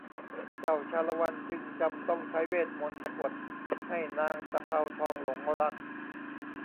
เจ้าชาละวันจึงจำต้องใช้เวทมนตร์สะกดให้นางตะเภาทองหลงรัก